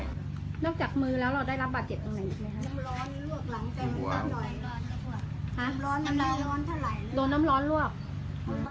หลังจากมือแล้วเราได้รับบาทเจ็ดตรงไหนไหมฮ้าโดนน้ำร้อนรวก